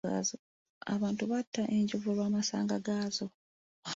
Abantu batta enjovu olw'amasanga gaazo.